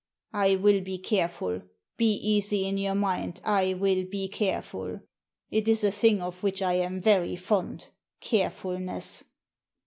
" I will be careful. Be easy in your mind, I will be careful. It is a thing of which I am very fond — carefulness."